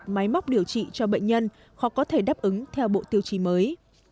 máy móc điều trị cho bệnh nhân khó có thể đáp ứng theo bộ tiêu chí mới